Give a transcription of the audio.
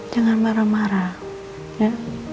jangan marah marah ya